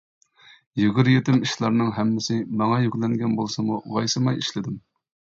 يۈگۈر-يېتىم ئىشلارنىڭ ھەممىسى ماڭا يۈكلەنگەن بولسىمۇ ۋايسىماي ئىشلىدىم.